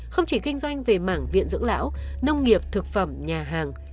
không chỉ kinh doanh về mảng viện dưỡng lão nông nghiệp thực phẩm nhà hàng